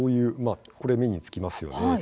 これ、目につきますよね。